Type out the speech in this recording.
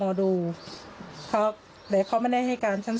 สองสามีภรรยาคู่นี้มีอาชีพ